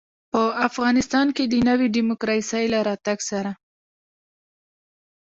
په افغانستان کې د نوي ډيموکراسۍ له راتګ سره.